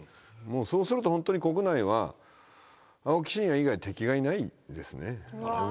そうするとホントに国内は青木真也以外敵がいないですね。